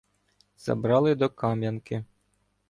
Забрали до Кам'янки.